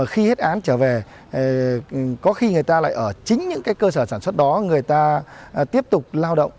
khi hết án trở về có khi người ta lại ở chính những cơ sở sản xuất đó người ta tiếp tục lao động